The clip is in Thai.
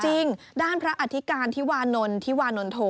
จริงด้านพระอธิการธิวานนท์ธิวานนโท